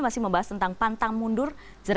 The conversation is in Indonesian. yang pantang mundur